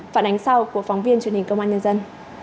phản ánh sau của phóng viên truyền hình công an nhân dân